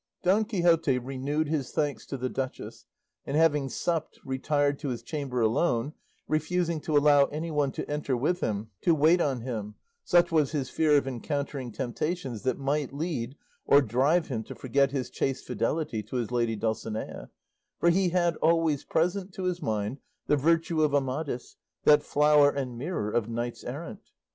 Don Quixote renewed his thanks to the duchess; and having supped, retired to his chamber alone, refusing to allow anyone to enter with him to wait on him, such was his fear of encountering temptations that might lead or drive him to forget his chaste fidelity to his lady Dulcinea; for he had always present to his mind the virtue of Amadis, that flower and mirror of knights errant.